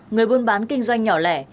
người buôn bán kinh doanh nhỏ lẻ